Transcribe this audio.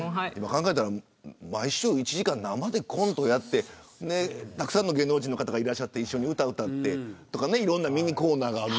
考えたら毎週１時間生でコントやってたくさんの芸能人の方がいらっしゃって一緒に歌を歌ってとかいろんなミニコーナーがある。